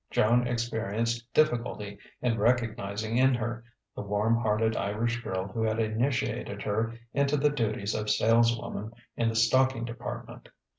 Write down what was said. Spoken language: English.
Joan experienced difficulty in recognizing in her the warm hearted Irish girl who had initiated her into the duties of saleswoman in the stocking department.